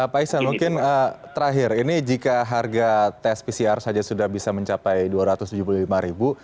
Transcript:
pak iksan mungkin terakhir ini jika harga tes pcr saja sudah bisa mencapai rp dua ratus tujuh puluh lima ribu